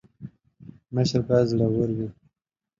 مشر باید زړه ور وي